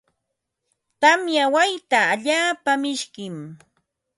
Tamya wayta allaapa mishkim.